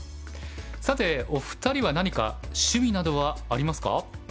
さてお二人は何か趣味などはありますか？